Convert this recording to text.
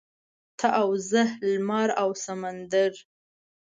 ته او زه لمر او سمندر.